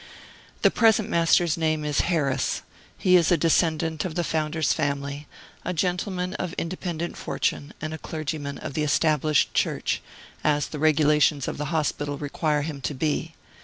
The present Master's name is Harris; he is a descendant of the founder's family, a gentleman of independent fortune, and a clergyman of the Established Church, as the regulations of the hospital require him to be.